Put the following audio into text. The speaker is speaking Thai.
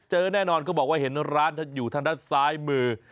แน่นอนเขาบอกว่าเห็นร้านอยู่ทางด้านซ้ายมือ